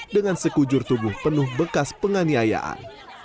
dengan sekujur tubuh penuh bekas penganiayaan